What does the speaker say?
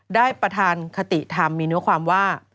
ได้ประธานคติธรรมมีเนื้อความว่า